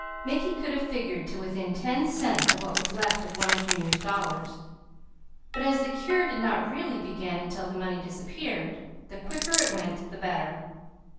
Mickey could have figured to within ten cents of what was left of one of Junior's dollars; but as the cure did not really begin until the money disappeared, the quicker it went the better.